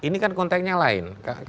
ini kan konteksnya lain